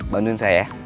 bantuin saya ya